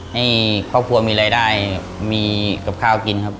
ให้ครอบครัวมีรายได้มีกับข้าวกินครับ